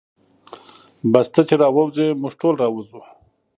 بس ته چې راووځې موږ ټول راوځو.